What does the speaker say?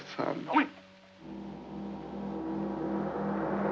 おい！